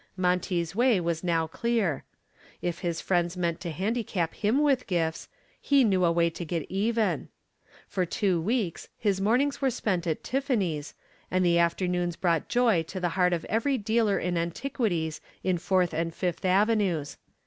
Monty's way was now clear. If his friends meant to handicap him with gifts, he knew a way to get even. For two weeks his mornings were spent at Tiffany's, and the afternoons brought joy to the heart of every dealer in antiquities in Fourth and Fifth Avenues.